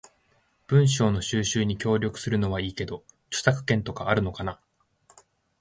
文章の収集に協力するのはいいけど、著作権とかあるのかな？